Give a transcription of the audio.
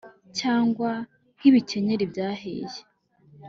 cyangwa nk’ibikenyeri byahiye,